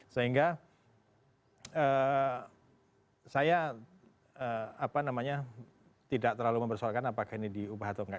sehingga saya tidak terlalu mempersoalkan apakah ini diubah atau enggak